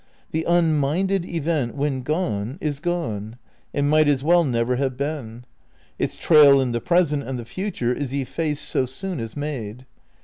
The unminded event when gone is gone, and might as well never have been ; its trail in the present and the future is effaced so soon as made.